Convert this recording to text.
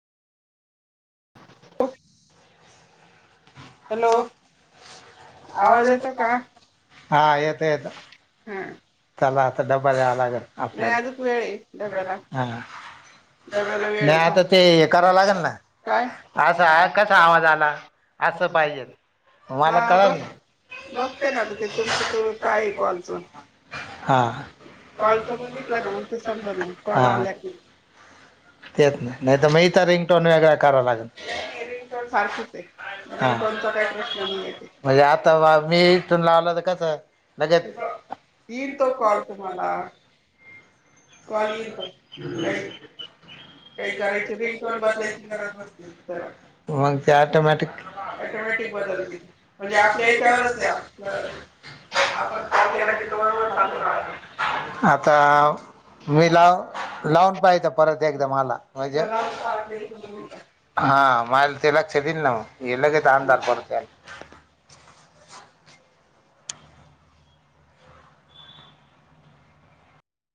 हो. हॅलो आवाज येतोय येतो का काय. हा येत येत. हा चला आता डबा द्यावा लागेल नाही अजूक वेळ आहे आपल्याला डब्याला हा हा. डब्याला वेळ नाही आता ते ह आहे करावं लागेल ना काय आता कसा आवाज आला. असं पाहिजे. मला हा कळल बघ नाही बघते ना आता ते तुमचं तर काय कॉलच हा कॉलच बघितलं ना मग ते समजा मग कॉल हा आल्या की तेेत नाही नाही तर मग इ तर रिंगटोन वेगळा कराव लागे सारखीच आहे हा रिंगटोनचा काही प्रश्न नाही येते म्हणजे आता मी इथून लावल तर कस आहे म्हजेप. येईन तो कॉल तुम्हाला. कॉल येईल तो काही [unintelligible] काही करायची रिंगटोन बदलायची गरज नसते त्याला मग ते ऑटोमेटिक. ऑटोमॅटिक बदलते बदलतील म्हणजे आपल्या याच्यावरच आपल्याऐच्यावरच आपलं आहे. आपण कॉल केला की तुम्हाला चालू आता. मी लाव, लॉक पाहिजे परत एकदा मला. राहते [unintelligible] तेलाच शबीर नाव एलागे तदार पडते.